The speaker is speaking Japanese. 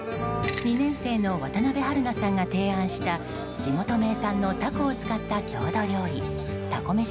２年生の渡邊晴南さんが提案した地元名産のタコを使った郷土料理タコ